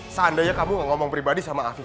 seandainya kamu gak ngomong pribadi sama afif